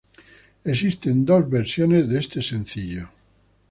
Existen dos versiones de este sencillo.